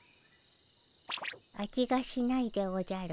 味がしないでおじゃる。